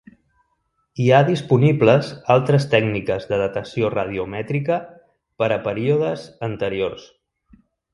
Hi ha disponibles altres tècniques de datació radiomètrica per a períodes anteriors.